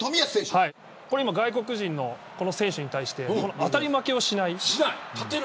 外国人の選手に対して当たり負けをしない。